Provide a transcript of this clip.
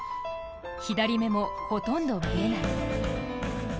左目もほとんど見えない。